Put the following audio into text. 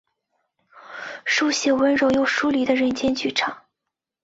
书写温柔又疏离的人间剧场。